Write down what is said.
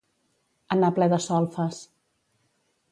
Anar ple de solfes.